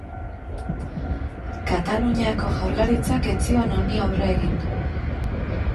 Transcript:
Kataluniako Jaurlaritzak ez zion honi aurre egin.